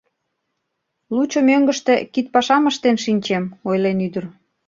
«Лучо мӧҥгыштӧ кидпашам ыштен шинчем», — ойлен ӱдыр.